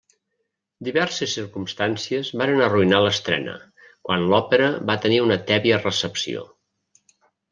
Diverses circumstàncies varen arruïnar l'estrena, quan l'òpera va tenir una tèbia recepció.